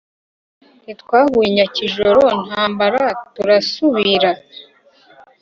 Ntitwahuye nyakijoro ntambara nturasubira